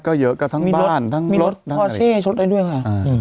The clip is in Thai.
ก็เยอะกับทั้งบ้านทั้งรถพ่อเช่ชดได้ด้วยค่ะ